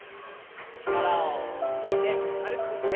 力を抜いて軽く振って。